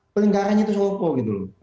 pelinggarannya itu siapa gitu loh